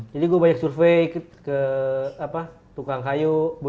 jadi gue banyak survei ke tukang kayu